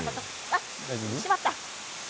しまった。